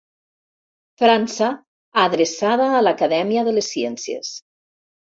França, adreçada a l'Acadèmia de les Ciències.